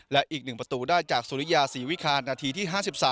และอีก๑ประตูได้จากสุริยาศรีวิคารนาทีที่๕๓